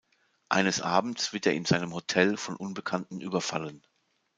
Eines Abends wird er in seinem Hotel von Unbekannten überfallen.